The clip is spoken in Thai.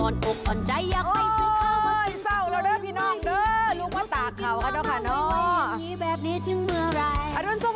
อ้อนอกอ่อนใจอยากไปซื้อข้าว